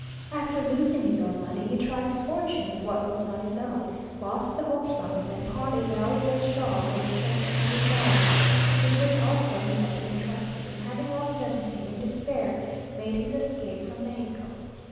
After losing his own money, he tried his fortune with what was not his own; lost the whole sum, then pawned a valuable shawl worth several hundred dollars, with which also he had been entrusted; and having lost everything, in despair made his escape from Mexico.